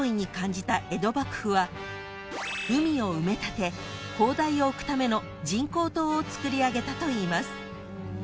［海を埋め立て砲台を置くための人工島をつくり上げたといいます］